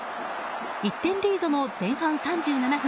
１点リードの前半３７分。